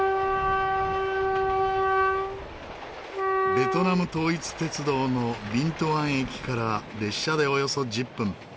ベトナム統一鉄道のビントゥアン駅から列車でおよそ１０分。